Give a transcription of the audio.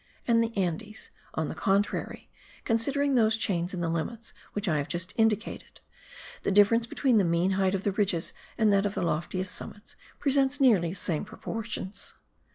and the Andes, on the contrary, (considering those chains in the limits which I have just indicated), the difference between the mean height of the ridges and that of the loftiest summits presents nearly the same proportions.